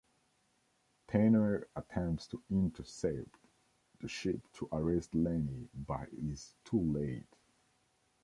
Tanner attempts to intercept the ship to arrest Lenny, but he is too late.